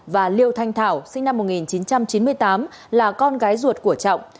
và liêu thanh thảo sinh năm một nghìn chín trăm chín mươi tám là con gái ruột của trọng